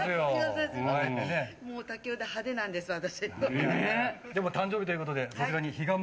もう、武雄で派手なんです私。